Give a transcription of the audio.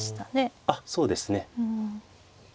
あっそうですね。